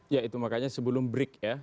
ya itu makanya sebelum break ya